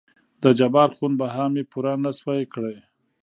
دجبار خون بها مې پوره نه شوى کړى.